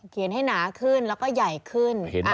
ให้หนาขึ้นแล้วก็ใหญ่ขึ้น